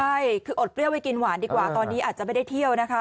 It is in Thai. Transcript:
ใช่คืออดเปรี้ยวไปกินหวานดีกว่าตอนนี้อาจจะไม่ได้เที่ยวนะคะ